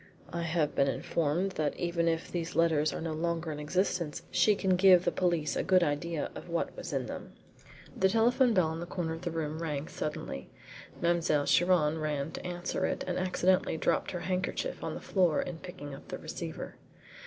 I have been informed that even if these letters are no longer in existence she can give the police a good idea of what was in them." The telephone bell in the corner of the room rang suddenly. Mademoiselle Chiron ran to answer it, and accidentally dropped her handkerchief on the floor in picking up the receiver.